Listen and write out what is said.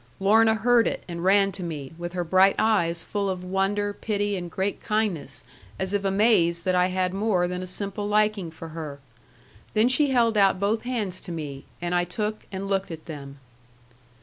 Lorna heard it, and ran to me, with her bright eyes full of wonder, pity, and great kindness, as if amazed that I had more than a simple liking for her. Then she held out both hands to me; and I took and looked at them.